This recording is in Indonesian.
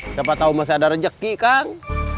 siapa tahu masih ada rejeki kang